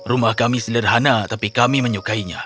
rumah kami sederhana tapi kami menyukainya